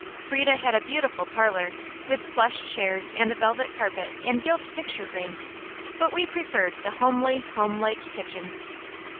Frieda had a beautiful parlor, with plush chairs and a velvet carpet and gilt picture frames; but we preferred the homely, homelike kitchen.